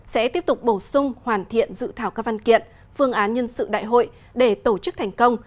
sẽ tiếp tục bổ sung hoàn thiện dự thảo các văn kiện phương án nhân sự đại hội để tổ chức thành công